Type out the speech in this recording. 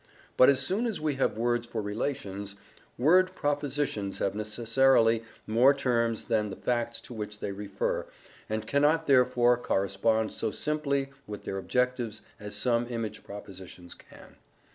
But as soon as we have words for relations, word propositions have necessarily more terms than the facts to which they refer, and cannot therefore correspond so simply with their objectives as some image propositions can.